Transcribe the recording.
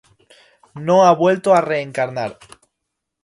No ha vuelto a reencarnar.